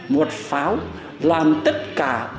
một pháo làm tất cả